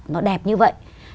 nó đẹp như vậy